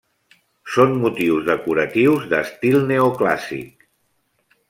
Són motius decoratius d'estil neoclàssic.